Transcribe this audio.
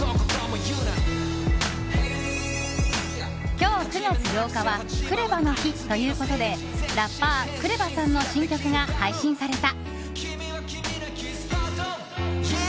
今日９月８日はクレバの日ということでラッパー、ＫＲＥＶＡさんの新曲が配信された。